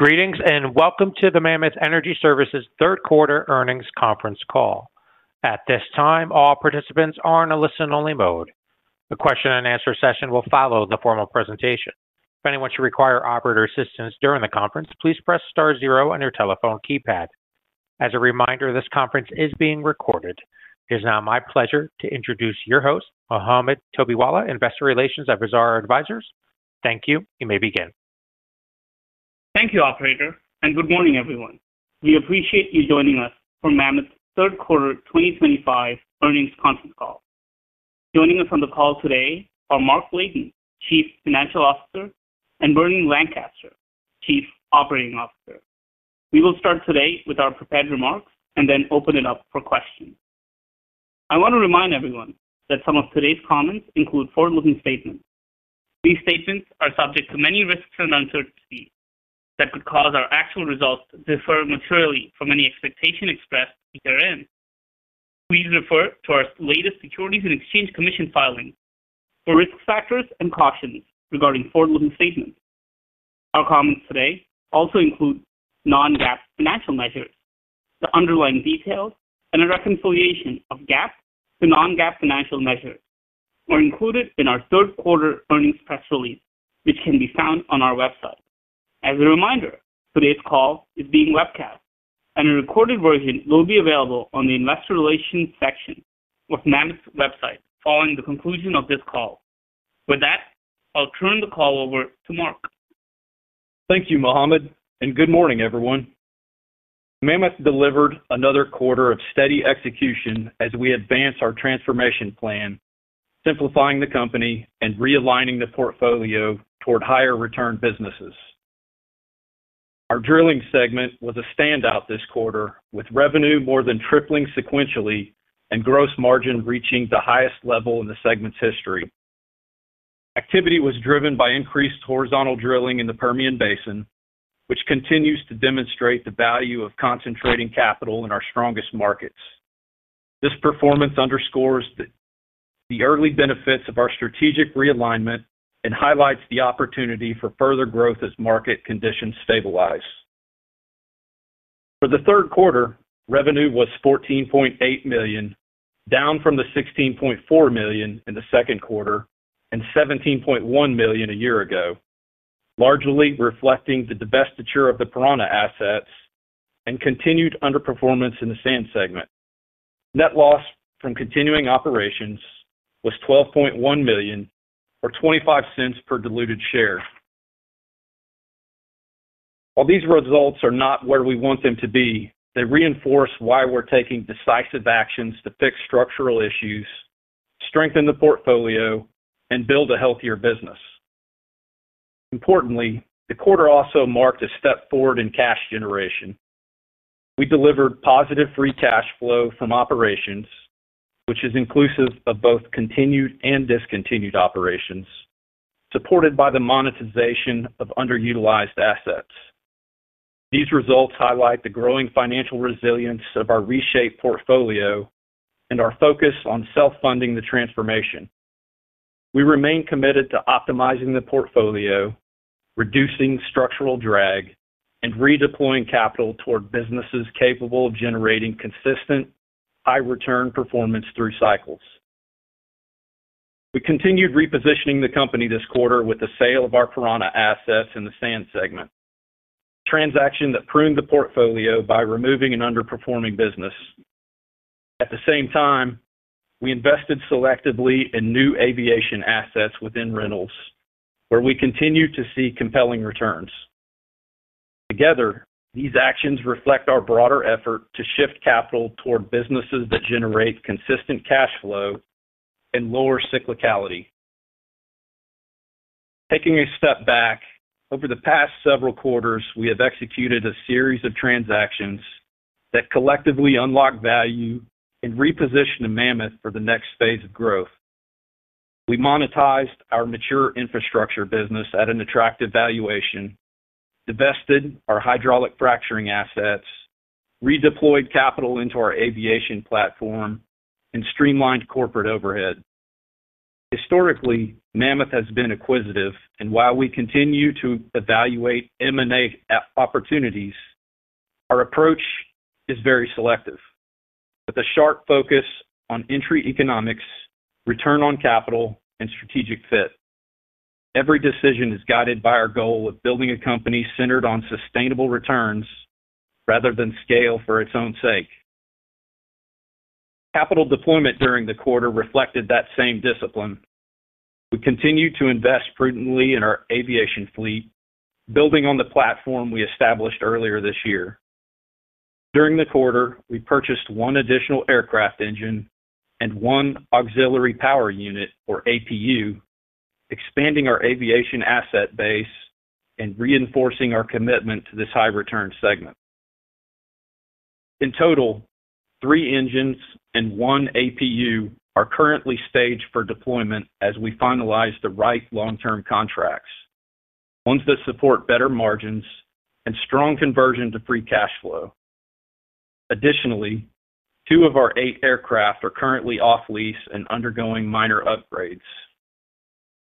Greetings and welcome to the Mammoth Energy Services third quarter earnings conference call. At this time, all participants are in a listen-only mode. The question-and-answer session will follow the formal presentation. If anyone should require operator assistance during the conference, please press star zero on your telephone keypad. As a reminder, this conference is being recorded. It is now my pleasure to introduce your host, Mohammed Topiwala, Investor Relations at Vizara Advisors. Thank you. You may begin. Thank you, operator, and good morning, everyone. We appreciate you joining us for Mammoth Energy Services' third-quarter 2025 earnings conference call. Joining us on the call today are Mark Layton, Chief Financial Officer, and Bernie Lancaster, Chief Operating Officer. We will start today with our prepared remarks and then open it up for questions. I want to remind everyone that some of today's comments include forward-looking statements. These statements are subject to many risks and uncertainties that could cause our actual results to differ materially from any expectation expressed year-end. Please refer to our latest Securities and Exchange Commission filings for risk factors and cautions regarding forward-looking statements. Our comments today also include non-GAAP financial measures. The underlying details and a reconciliation of GAAP to non-GAAP financial measures are included in our third-quarter earnings press release, which can be found on our website. As a reminder, today's call is being webcast, and a recorded version will be available on the Investor Relations section of Mammoth Energy Services' website following the conclusion of this call. With that, I'll turn the call over to Mark. Thank you, Mohammed, and good morning, everyone. Mammoth delivered another quarter of steady execution as we advance our transformation plan, simplifying the company and realigning the portfolio toward higher-return businesses. Our Drilling segment was a standout this quarter, with revenue more than tripling sequentially and gross margin reaching the highest level in the segment's history. Activity was driven by increased horizontal drilling in the Permian Basin, which continues to demonstrate the value of concentrating capital in our strongest markets. This performance underscores the early benefits of our strategic realignment and highlights the opportunity for further growth as market conditions stabilize. For the third quarter, revenue was $14.8 million, down from $16.4 million in the second quarter and $17.1 million a year ago, largely reflecting the divestiture of the Piranha assets and continued underperformance in the Sand segment. Net loss from continuing operations was $12.1 million, or $0.25 per diluted share. While these results are not where we want them to be, they reinforce why we're taking decisive actions to fix structural issues, strengthen the portfolio, and build a healthier business. Importantly, the quarter also marked a step forward in cash generation. We delivered positive free cash flow from operations, which is inclusive of both continued and discontinued operations, supported by the monetization of underutilized assets. These results highlight the growing financial resilience of our reshaped portfolio and our focus on self-funding the transformation. We remain committed to optimizing the portfolio, reducing structural drag, and redeploying capital toward businesses capable of generating consistent, high-return performance through cycles. We continued repositioning the company this quarter with the sale of our Piranha assets in the Sand segment, a transaction that pruned the portfolio by removing an underperforming business. At the same time, we invested selectively in new aviation assets within rentals, where we continue to see compelling returns. Together, these actions reflect our broader effort to shift capital toward businesses that generate consistent cash flow and lower cyclicality. Taking a step back, over the past several quarters, we have executed a series of transactions that collectively unlock value and reposition Mammoth for the next phase of growth. We monetized our mature infrastructure business at an attractive valuation, divested our hydraulic fracturing assets, redeployed capital into our aviation platform, and streamlined corporate overhead. Historically, Mammoth has been acquisitive, and while we continue to evaluate M&A opportunities, our approach is very selective, with a sharp focus on entry economics, return on capital, and strategic fit. Every decision is guided by our goal of building a company centered on sustainable returns rather than scale for its own sake. Capital deployment during the quarter reflected that same discipline. We continue to invest prudently in our aviation fleet, building on the platform we established earlier this year. During the quarter, we purchased one additional aircraft engine and one auxiliary power unit, or APU, expanding our aviation asset base and reinforcing our commitment to this high-return segment. In total, three engines and one APU are currently staged for deployment as we finalize the right long-term contracts, ones that support better margins and strong conversion to free cash flow. Additionally, two of our eight aircraft are currently off-lease and undergoing minor upgrades.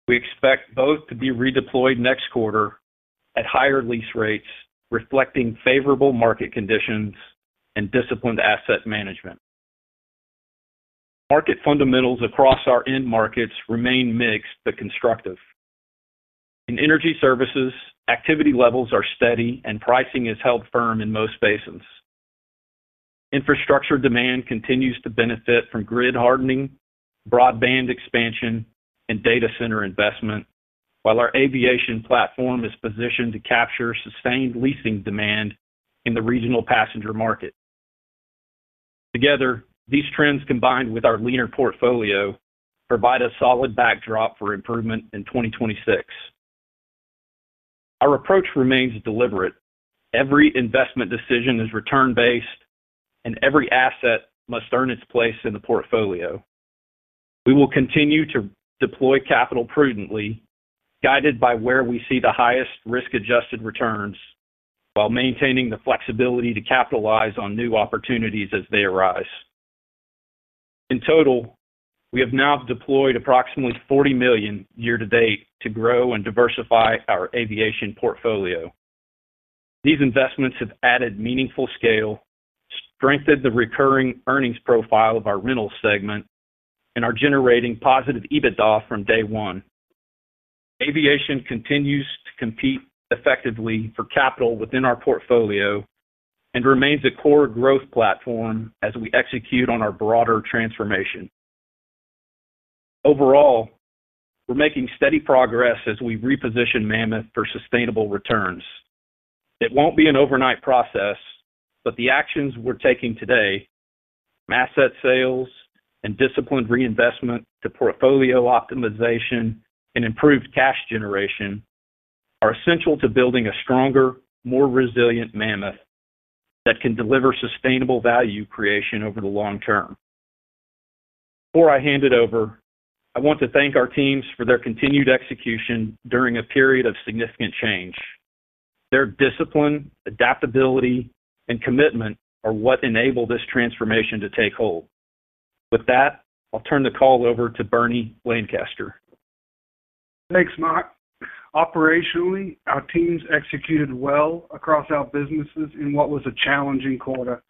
We expect both to be redeployed next quarter at higher lease rates, reflecting favorable market conditions and disciplined asset management. Market fundamentals across our end markets remain mixed but constructive. In energy services, activity levels are steady and pricing is held firm in most basins. Infrastructure demand continues to benefit from grid hardening, broadband expansion, and data center investment, while our aviation platform is positioned to capture sustained leasing demand in the regional passenger market. Together, these trends, combined with our leaner portfolio, provide a solid backdrop for improvement in 2026. Our approach remains deliberate. Every investment decision is return-based, and every asset must earn its place in the portfolio. We will continue to deploy capital prudently, guided by where we see the highest risk-adjusted returns, while maintaining the flexibility to capitalize on new opportunities as they arise. In total, we have now deployed approximately $40 million year-to-date to grow and diversify our aviation portfolio. These investments have added meaningful scale, strengthened the recurring earnings profile of our Rentals segment, and are generating positive EBITDA from day one. Aviation continues to compete effectively for capital within our portfolio and remains a core growth platform as we execute on our broader transformation. Overall, we're making steady progress as we reposition Mammoth for sustainable returns. It won't be an overnight process, but the actions we're taking today, asset sales, and disciplined reinvestment to portfolio optimization and improved cash generation, are essential to building a stronger, more resilient Mammoth that can deliver sustainable value creation over the long term. Before I hand it over, I want to thank our teams for their continued execution during a period of significant change. Their discipline, adaptability, and commitment are what enabled this transformation to take hold. With that, I'll turn the call over to Bernie Lancaster. Thanks, Mark. Operationally, our teams executed well across our businesses in what was a challenging quarter.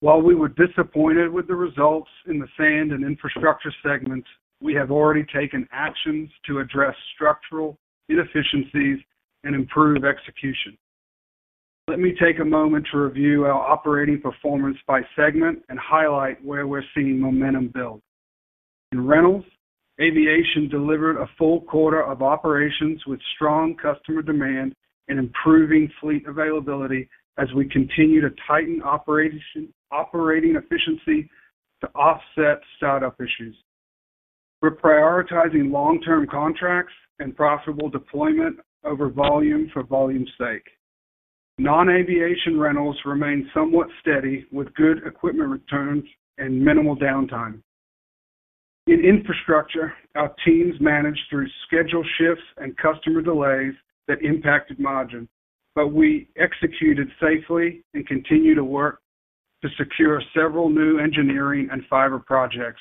While we were disappointed with the results in the Sand and Infrastructure segments, we have already taken actions to address structural inefficiencies and improve execution. Let me take a moment to review our operating performance by segment and highlight where we're seeing momentum build. In Rentals, aviation delivered a full quarter of operations with strong customer demand and improving fleet availability as we continue to tighten operating efficiency to offset startup issues. We're prioritizing long-term contracts and profitable deployment over volume for volume's sake. Non-aviation Rentals remained somewhat steady with good equipment returns and minimal downtime. In Infrastructure, our teams managed through schedule shifts and customer delays that impacted margin, but we executed safely and continue to work to secure several new engineering and fiber projects.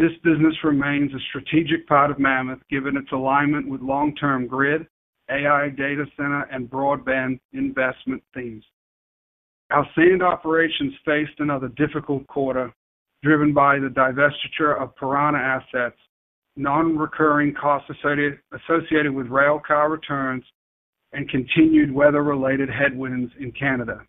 This business remains a strategic part of Mammoth given its alignment with long-term grid, AI data center, and broadband investment themes. Our Sand operations faced another difficult quarter driven by the divestiture of Piranha assets, non-recurring costs associated with railcar returns, and continued weather-related headwinds in Canada.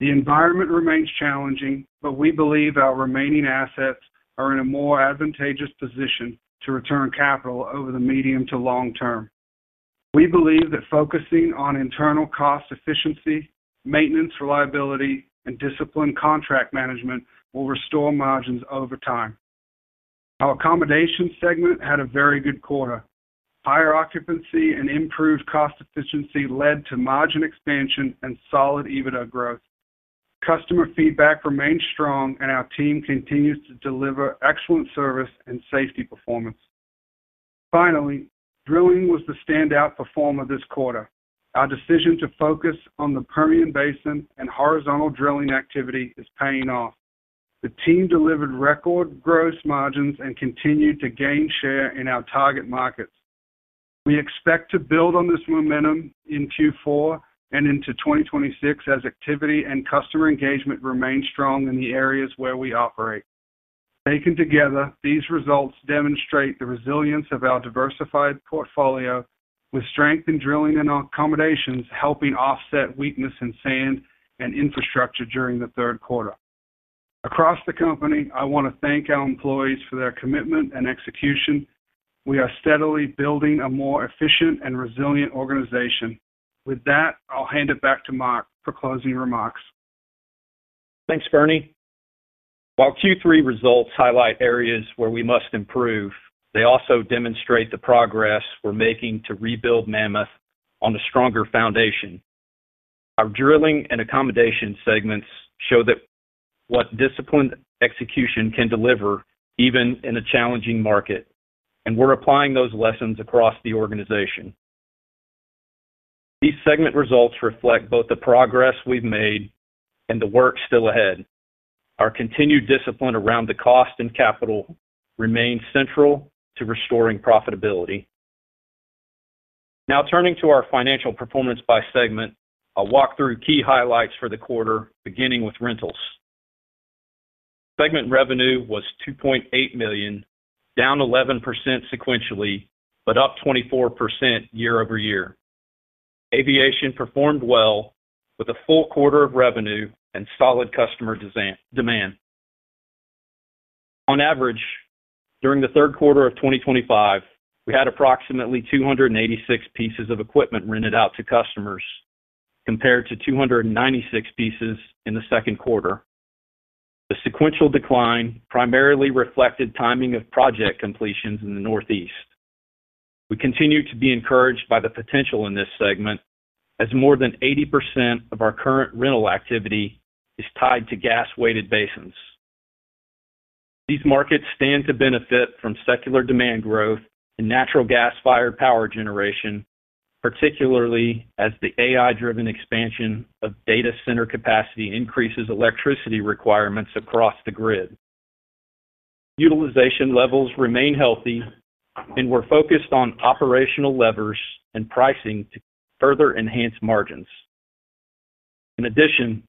The environment remains challenging, but we believe our remaining assets are in a more advantageous position to return capital over the medium to long term. We believe that focusing on internal cost efficiency, maintenance reliability, and disciplined contract management will restore margins over time. Our accommodation segment had a very good quarter. Higher occupancy and improved cost efficiency led to margin expansion and solid EBITDA growth. Customer feedback remained strong, and our team continues to deliver excellent service and safety performance. Finally, Drilling was the standout performance of this quarter. Our decision to focus on the Permian Basin and horizontal drilling activity is paying off. The team delivered record gross margins and continued to gain share in our target markets. We expect to build on this momentum in Q4 and into 2026 as activity and customer engagement remain strong in the areas where we operate. Taken together, these results demonstrate the resilience of our diversified portfolio, with strength in Drilling and Accommodations helping offset weakness in Sand and Infrastructure during the third quarter. Across the company, I want to thank our employees for their commitment and execution. We are steadily building a more efficient and resilient organization. With that, I'll hand it back to Mark for closing remarks. Thanks, Bernie. While Q3 results highlight areas where we must improve, they also demonstrate the progress we're making to rebuild Mammoth on a stronger foundation. Our Drilling and Accommodation segments show what disciplined execution can deliver even in a challenging market, and we're applying those lessons across the organization. These segment results reflect both the progress we've made and the work still ahead. Our continued discipline around the cost and capital remains central to restoring profitability. Now, turning to our financial performance by segment, I'll walk through key highlights for the quarter, beginning with Rentals. Segment revenue was $2.8 million, down 11% sequentially but up 24% year-over-year. Aviation performed well with a full quarter of revenue and solid customer demand. On average, during the third quarter of 2025, we had approximately 286 pieces of equipment rented out to customers compared to 296 pieces in the second quarter. The sequential decline primarily reflected timing of project completions in the Northeast. We continue to be encouraged by the potential in this segment, as more than 80% of our current rental activity is tied to gas-weighted basins. These markets stand to benefit from secular demand growth and natural gas-fired power generation, particularly as the AI-driven expansion of data center capacity increases electricity requirements across the grid. Utilization levels remain healthy, and we're focused on operational levers and pricing to further enhance margins. In addition,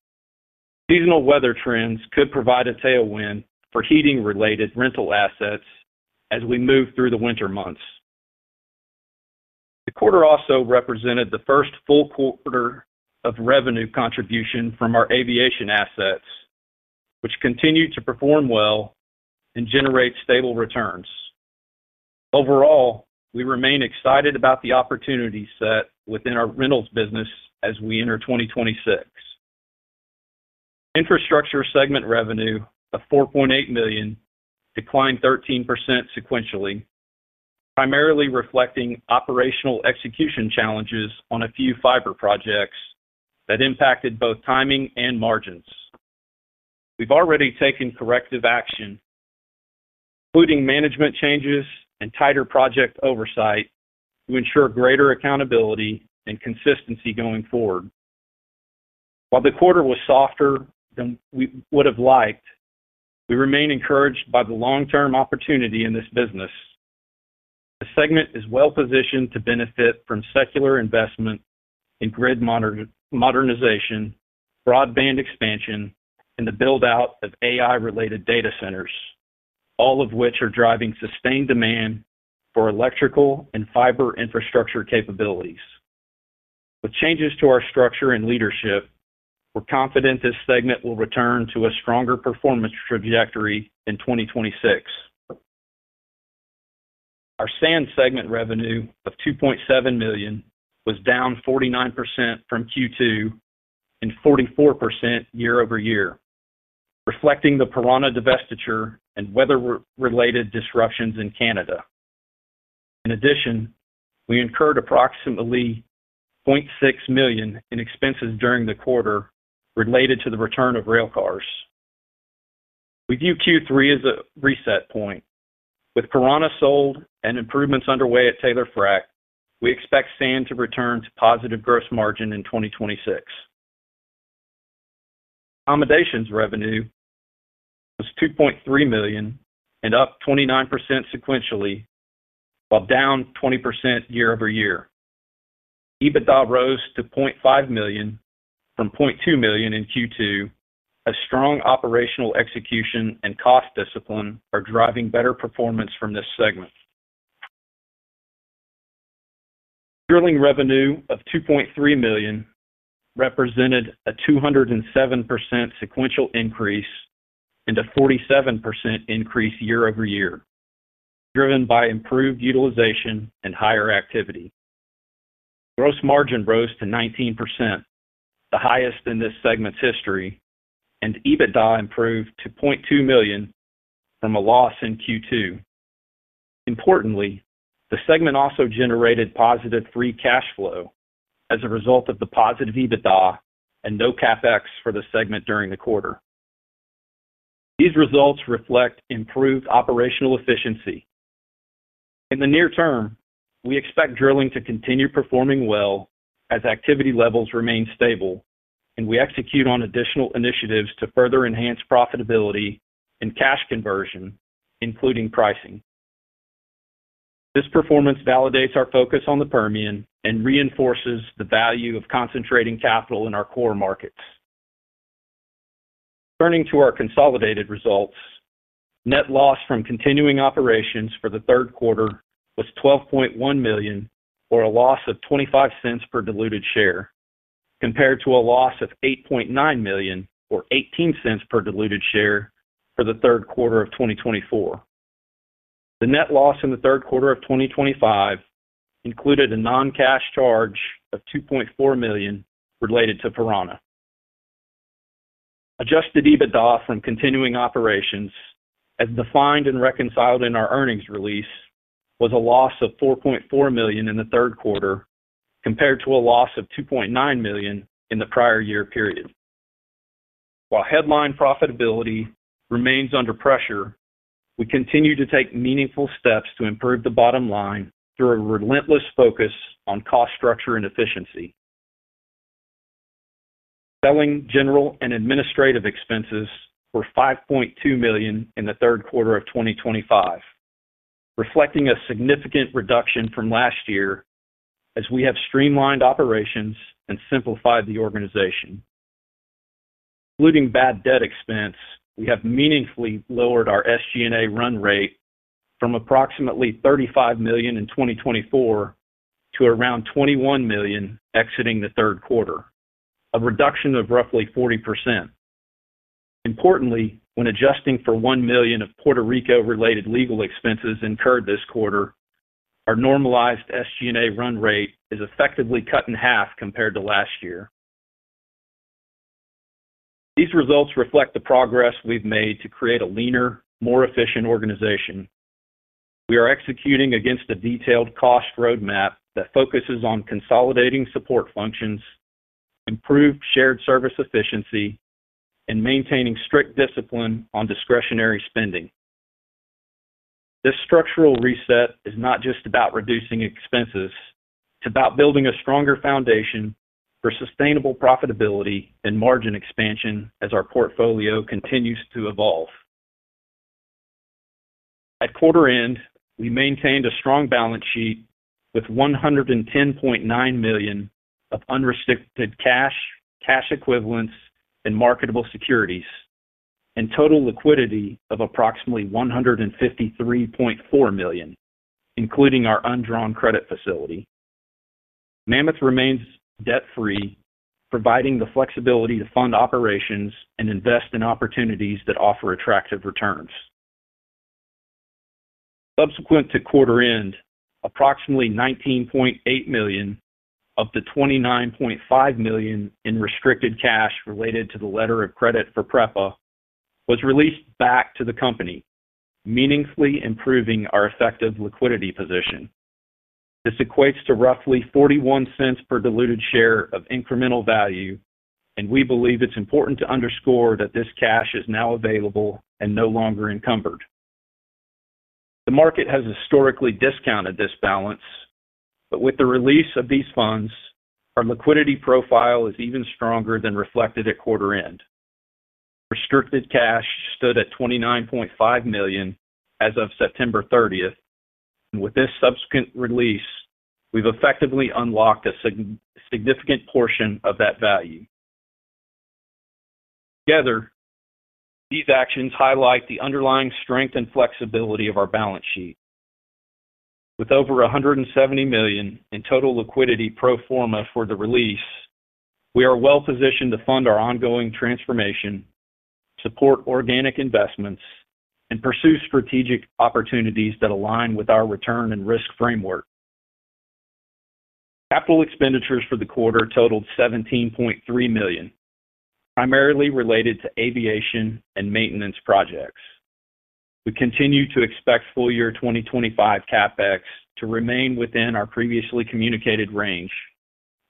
seasonal weather trends could provide a tailwind for heating-related rental assets as we move through the winter months. The quarter also represented the first full quarter of revenue contribution from our aviation assets, which continued to perform well and generate stable returns. Overall, we remain excited about the opportunity set within our rentals business as we enter 2026. Infrastructure segment revenue of $4.8 million declined 13% sequentially, primarily reflecting operational execution challenges on a few fiber projects that impacted both timing and margins. We've already taken corrective action, including management changes and tighter project oversight to ensure greater accountability and consistency going forward. While the quarter was softer than we would have liked, we remain encouraged by the long-term opportunity in this business. The segment is well-positioned to benefit from secular investment in grid modernization, broadband expansion, and the build-out of AI data centers, all of which are driving sustained demand for electrical and fiber infrastructure capabilities. With changes to our structure and leadership, we're confident this segment will return to a stronger performance trajectory in 2026. Our Sand segment revenue of $2.7 million was down 49% from Q2 and 44% year-over-year, reflecting the Piranha divestiture and weather-related disruptions in Canada. In addition, we incurred approximately $0.6 million in expenses during the quarter related to the return of railcars. We view Q3 as a reset point. With Piranha sold and improvements underway at Taylor Frac, we expect Sand to return to positive gross margin in 2026. Accommodations revenue was $2.3 million and up 29% sequentially, while down 20% year-over-year. EBITDA rose to $0.5 million from $0.2 million in Q2, as strong operational execution and cost discipline are driving better performance from this segment. Drilling revenue of $2.3 million represented a 207% sequential increase and a 47% increase year-over-year, driven by improved utilization and higher activity. Gross margin rose to 19%, the highest in this segment's history, and EBITDA improved to $0.2 million from a loss in Q2. Importantly, the segment also generated positive free cash flow as a result of the positive EBITDA and no CapEx for the segment during the quarter. These results reflect improved operational efficiency. In the near term, we expect Drilling to continue performing well as activity levels remain stable, and we execute on additional initiatives to further enhance profitability and cash conversion, including pricing. This performance validates our focus on the Permian Basin and reinforces the value of concentrating capital in our core markets. Turning to our consolidated results, net loss from continuing operations for the third quarter was $12.1 million, or a loss of $0.25 per diluted share, compared to a loss of $8.9 million, or $0.18 per diluted share, for the third quarter of 2024. The net loss in the third quarter of 2025 included a non-cash charge of $2.4 million related to Piranha. Adjusted EBITDA from continuing operations, as defined and reconciled in our earnings release, was a loss of $4.4 million in the third quarter compared to a loss of $2.9 million in the prior year period. While headline profitability remains under pressure, we continue to take meaningful steps to improve the bottom line through a relentless focus on cost structure and efficiency. Selling, General and Administrative expenses were $5.2 million in the third quarter of 2025, reflecting a significant reduction from last year as we have streamlined operations and simplified the organization. Including bad debt expense, we have meaningfully lowered our SG&A run rate from approximately $35 million in 2024 to around $21 million exiting the third quarter, a reduction of roughly 40%. Importantly, when adjusting for $1 million of Puerto Rico-related legal expenses incurred this quarter, our normalized SG&A run rate is effectively cut in half compared to last year. These results reflect the progress we've made to create a leaner, more efficient organization. We are executing against a detailed cost roadmap that focuses on consolidating support functions, improved shared service efficiency, and maintaining strict discipline on discretionary spending. This structural reset is not just about reducing expenses, it's about building a stronger foundation for sustainable profitability and margin expansion as our portfolio continues to evolve. At quarter end, we maintained a strong balance sheet with $110.9 million of unrestricted cash, cash equivalents, and marketable securities, and total liquidity of approximately $153.4 million, including our undrawn credit facility. Mammoth remains debt-free, providing the flexibility to fund operations and invest in opportunities that offer attractive returns. Subsequent to quarter end, approximately $19.8 million of the $29.5 million in restricted cash related to the letter of credit for PREPA was released back to the company, meaningfully improving our effective liquidity position. This equates to roughly $0.41 per diluted share of incremental value, and we believe it's important to underscore that this cash is now available and no longer encumbered. The market has historically discounted this balance, but with the release of these funds, our liquidity profile is even stronger than reflected at quarter end. Restricted cash stood at $29.5 million as of September 30th, and with this subsequent release, we've effectively unlocked a significant portion of that value. Together, these actions highlight the underlying strength and flexibility of our balance sheet. With over $170 million in total liquidity pro forma for the release, we are well-positioned to fund our ongoing transformation, support organic investments, and pursue strategic opportunities that align with our return and risk framework. Capital expenditures for the quarter totaled $17.3 million, primarily related to aviation and maintenance projects. We continue to expect full year 2025 CapEx to remain within our previously communicated range,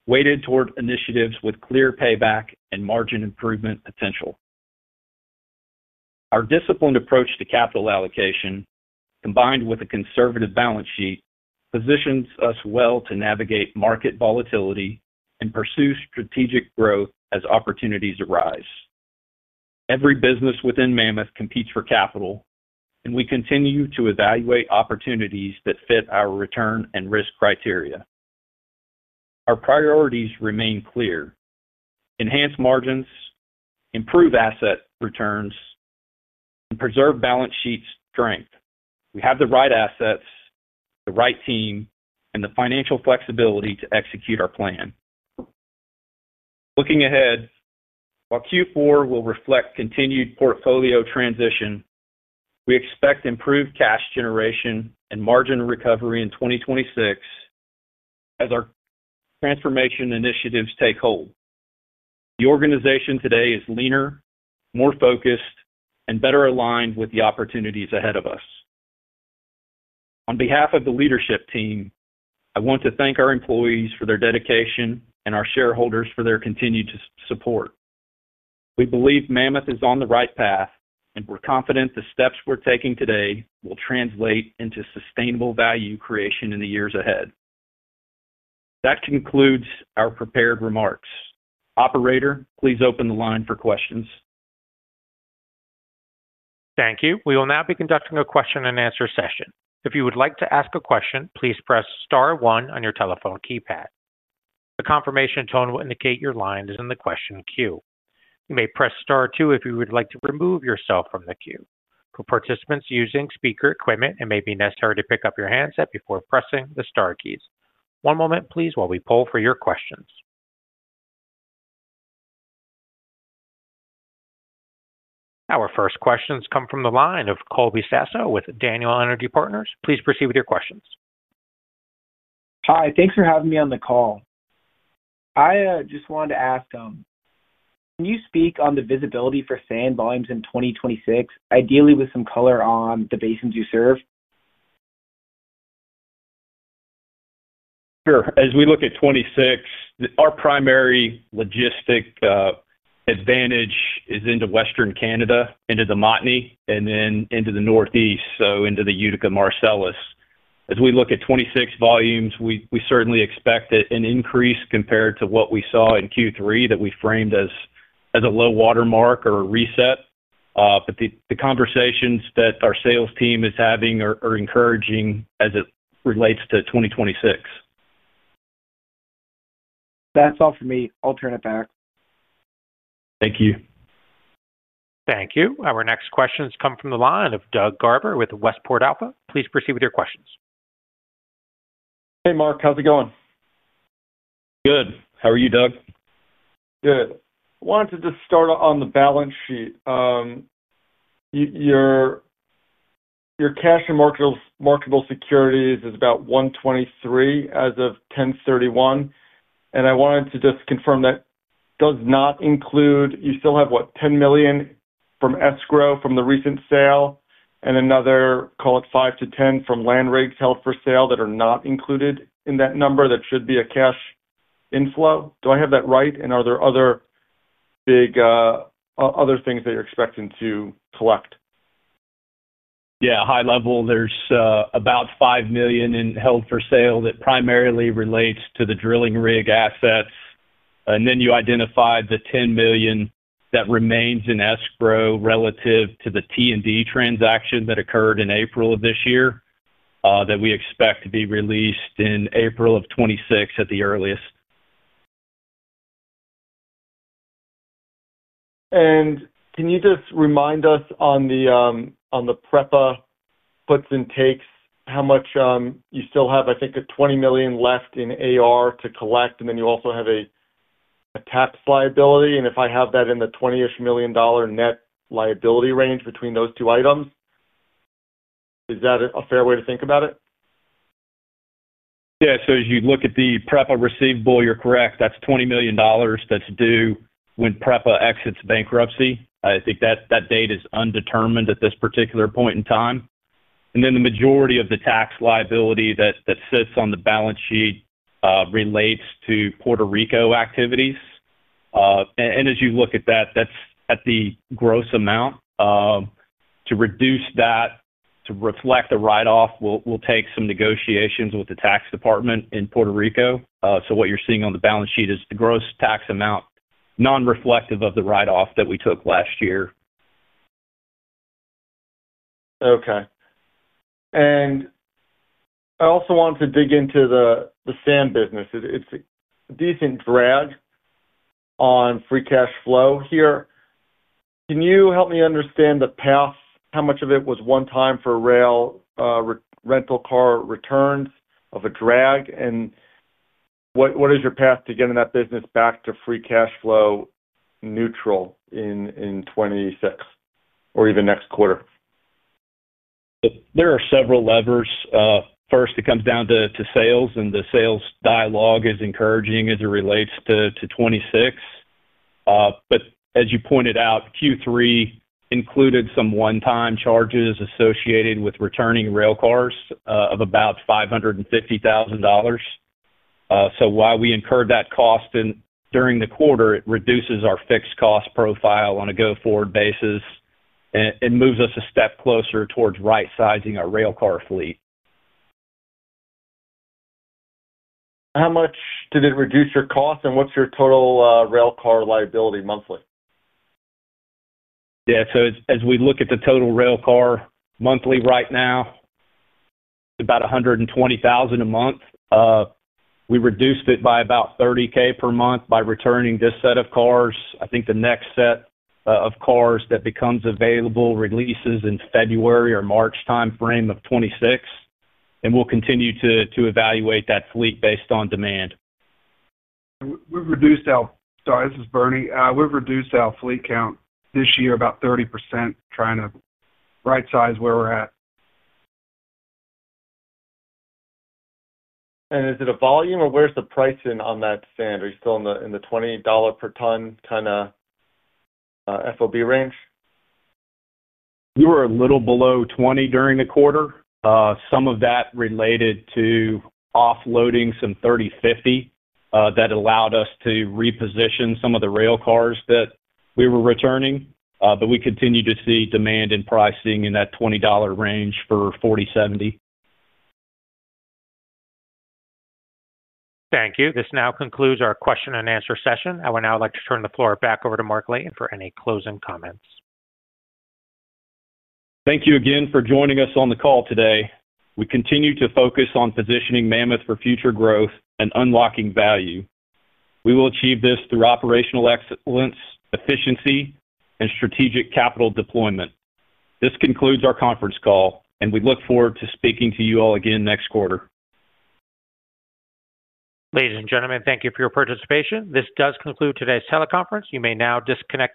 weighted toward initiatives with clear payback and margin improvement potential. Our disciplined approach to capital allocation, combined with a conservative balance sheet, positions us well to navigate market volatility and pursue strategic growth as opportunities arise. Every business within Mammoth competes for capital, and we continue to evaluate opportunities that fit our return and risk criteria. Our priorities remain clear: enhance margins, improve asset returns, and preserve balance sheet strength. We have the right assets, the right team, and the financial flexibility to execute our plan. Looking ahead, while Q4 will reflect continued portfolio transition, we expect improved cash generation and margin recovery in 2026 as our transformation initiatives take hold. The organization today is leaner, more focused, and better aligned with the opportunities ahead of us. On behalf of the leadership team, I want to thank our employees for their dedication and our shareholders for their continued support. We believe Mammoth is on the right path, and we're confident the steps we're taking today will translate into sustainable value creation in the years ahead. That concludes our prepared remarks. Operator, please open the line for questions. Thank you. We will now be conducting a question-and-answer session. If you would like to ask a question, please press star one on your telephone keypad. A confirmation tone will indicate your line is in the question queue. You may press star two if you would like to remove yourself from the queue. For participants using speaker equipment, it may be necessary to pick up your handset before pressing the star keys. One moment, please, while we poll for your questions. Our first questions come from the line of Colby Sasso with Daniel Energy Partners. Please proceed with your questions. Hi. Thanks for having me on the call. I just wanted to ask. Can you speak on the visibility for Sand volumes in 2026, ideally with some color on the basins you serve? Sure. As we look at 2026, our primary logistic advantage is into Western Canada, into the Montney, and then into the Northeast, so into the Utica, Marcellus. As we look at 2026 volumes, we certainly expect an increase compared to what we saw in Q3 that we framed as a low watermark or a reset. The conversations that our sales team is having are encouraging as it relates to 2026. That's all for me. I'll turn it back. Thank you. Thank you. Our next questions come from the line of Doug Garber with Westport Alpha. Please proceed with your questions. Hey, Mark. How's it going? Good. How are you, Doug? Good. I wanted to just start on the balance sheet. Your cash and marketable securities is about $123 million as of 10/31. I wanted to just confirm that does not include, you still have, what, $10 million from escrow from the recent sale and another, call it, $5 million-$10 million from land rigs held for sale that are not included in that number that should be a cash inflow. Do I have that right? Are there other big things that you're expecting to collect? Yeah. High level, there's about $5 million held for sale that primarily relates to the drilling rig assets. You identified the $10 million that remains in escrow relative to the T&D transaction that occurred in April of this year that we expect to be released in April of 2026 at the earliest. Can you just remind us on the PREPA puts and takes, how much you still have, I think, a $20 million left in AR to collect, and then you also have a tax liability. If I have that in the $20 million net liability range between those two items, is that a fair way to think about it? Yeah. As you look at the PREPA receivable, you're correct. That's $20 million that's due when PREPA exits bankruptcy. I think that date is undetermined at this particular point in time. The majority of the tax liability that sits on the balance sheet relates to Puerto Rico activities. As you look at that, that's at the gross amount. To reduce that, to reflect a write-off, we'll take some negotiations with the tax department in Puerto Rico. What you're seeing on the balance sheet is the gross tax amount, non-reflective of the write-off that we took last year. Okay. I also want to dig into the Sand business. It's a decent drag on free cash flow here. Can you help me understand the path? How much of it was one-time for rail rental car returns of a drag? What is your path to getting that business back to free cash flow neutral in 2026 or even next quarter? There are several levers. First, it comes down to sales, and the sales dialogue is encouraging as it relates to 2026. As you pointed out, Q3 included some one-time charges associated with returning rail cars of about $550,000. While we incurred that cost during the quarter, it reduces our fixed cost profile on a go-forward basis and moves us a step closer towards right-sizing our railcar fleet. How much did it reduce your cost, and what's your total railcar liability monthly? Yeah. As we look at the total railcar monthly right now, it's about $120,000 a month. We reduced it by about $30,000 per month by returning this set of cars. I think the next set of cars that becomes available releases in the February or March timeframe of 2026. We will continue to evaluate that fleet based on demand. Sorry, this is Bernie. We've reduced our fleet count this year about 30%, trying to right-size where we're at. Is it a volume, or where's the price in on that Sand? Are you still in the $20 per ton kind of FOB range? We were a little below $20 during the quarter. Some of that related to offloading some 30/50 that allowed us to reposition some of the railcars that we were returning. We continue to see demand and pricing in that $20 range for 40/70. Thank you. This now concludes our question-and-answer session. I would now like to turn the floor back over to Mark Layton for any closing comments. Thank you again for joining us on the call today. We continue to focus on positioning Mammoth for future growth and unlocking value. We will achieve this through operational excellence, efficiency, and strategic capital deployment. This concludes our conference call, and we look forward to speaking to you all again next quarter. Ladies and gentlemen, thank you for your participation. This does conclude today's teleconference. You may now disconnect.